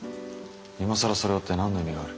今更それを追って何の意味がある？